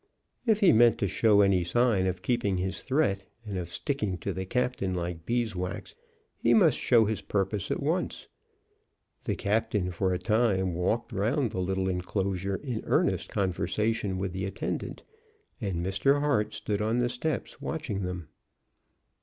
If he meant to show any sign of keeping his threat and of sticking to the captain like beeswax, he must show his purpose at once. The captain for a time walked round the little enclosure in earnest conversation with the attendant, and Mr. Hart stood on the steps watching them.